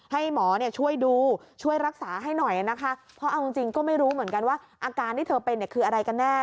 ให้หมอเนี่ยช่วยดูช่วยรักษาให้หน่อยนะคะเพราะเอาจริงก็ไม่รู้เหมือนกันว่าอาการที่เธอเป็นเนี่ยคืออะไรกันแน่